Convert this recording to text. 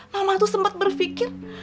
mama tuh sempat berpikir